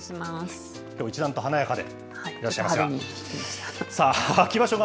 きょうは一段と華やかでいらっしゃいますが。